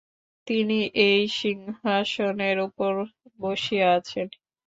তিনি একটি সিংহাসনের উপর বসিয়া আছেন।